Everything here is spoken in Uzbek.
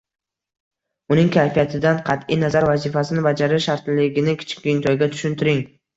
uning kayfiyatidan qat’iy nazar vazifasini bajarishi shartligini kichkintoyga tushuntiring.